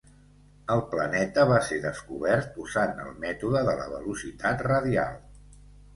El planeta va ser descobert usant el mètode de la velocitat radial.